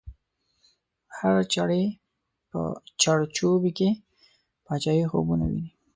هر چړی په چړ چوبی کی، پاچایی خوبونه وینی